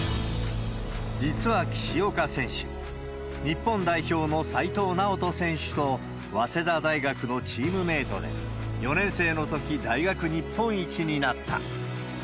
実は岸岡選手、日本代表の齋藤直人選手と早稲田大学のチームメートで、４年生のとき、大学日本一になった。